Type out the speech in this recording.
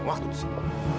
waktu itu sih